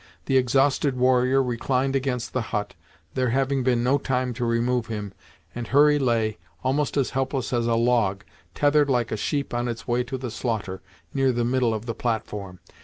The exhausted warrior reclined against the hut, there having been no time to remove him, and Hurry lay, almost as helpless as a log, tethered like a sheep on its way to the slaughter, near the middle of the platform.